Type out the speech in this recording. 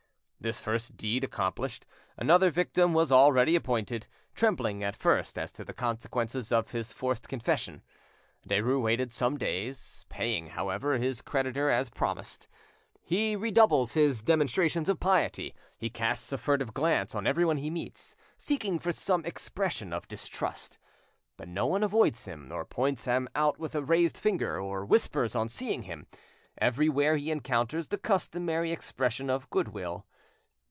This first deed accomplished, another victim was already appointed. Trembling at first as to the consequences of his forced confession, Derues waited some days, paying, however, his creditor as promised. He redoubles his demonstrations of piety, he casts a furtive glance on everyone he meets, seeking for some expression of distrust. But no one avoids him, or points him out with a raised finger, or whispers on seeing him; everywhere he encounters the customary expression of goodwill.